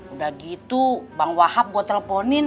udah gitu bang wahab gue teleponin